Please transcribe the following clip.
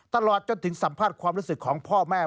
ตลอดจนถึงสัมภาษณ์ความรู้สึกของพ่อแม่